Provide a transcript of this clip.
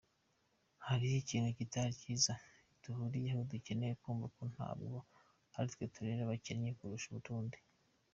Hari ikintu kitari cyiza duhuriyeho dukeneye kumva, kuko ntabwo aritwo turere dukennye kurusha utundi.